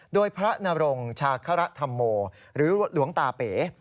โดยพระนรงชาคระธรรมโมหรือหลวงตาเป๋